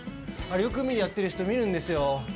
よくやってる人、見るんですよ。